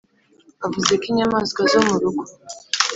bavuze ko inyamaswa zo mu rugo